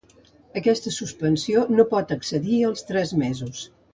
Aquesta suspensió no pot excedir els tres mesos.